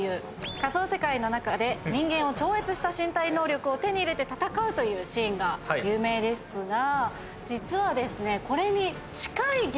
仮想世界の中で人間を超越した身体能力を手に入れて戦うというシーンが有名ですが。